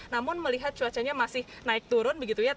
namun melihat cuacanya masih naik turun begitu ya